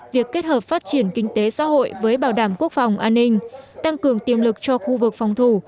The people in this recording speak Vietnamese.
việc kết hợp phát triển kinh tế xã hội với bảo đảm quốc phòng an ninh tăng cường tiềm lực cho khu vực phòng thủ